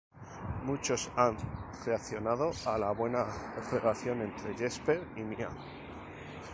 Muchos han reaccionado a la buena relación entre Jesper y Mia.